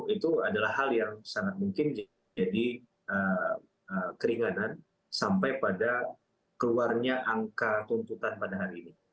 itu adalah hal yang sangat mungkin jadi keringanan sampai pada keluarnya angka tuntutan pada hari ini